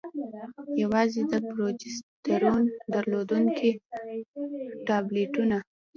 يوازې د پروجسترون درلودونكي ټابليټونه: